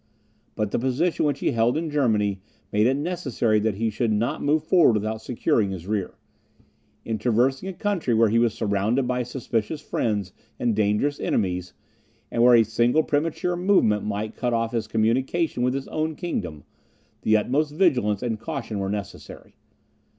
But the position which he held in Germany, made it necessary that he should not move forward without securing his rear. In traversing a country where he was surrounded by suspicious friends and dangerous enemies, and where a single premature movement might cut off his communication with his own kingdom, the utmost vigilance and caution were necessary.